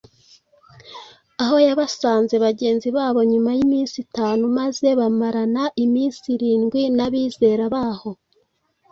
aho basanze bagenzi babo nyuma y’iminsi itanu maze bamarana iminsi irindwi n’abizera baho.